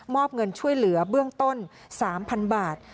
อบเงินช่วยเหลือเบื้องต้น๓๐๐๐บาท